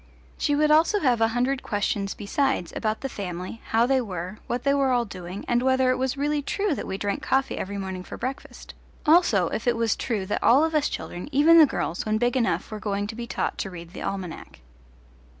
She would also have a hundred questions besides about the family, how they were, what they were all doing, and whether it was really true that we drank coffee every morning for breakfast; also if it was true that all of us children, even the girls, when big enough were going to be taught to read the almanac.